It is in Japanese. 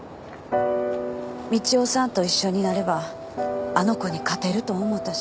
道夫さんと一緒になればあの子に勝てると思うたし。